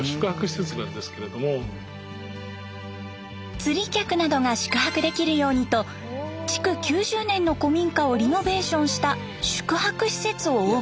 釣り客などが宿泊できるようにと築９０年の古民家をリノベーションした宿泊施設をオープン。